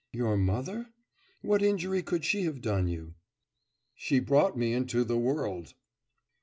'Your mother? What injury could she have done you?' 'She brought me into the world.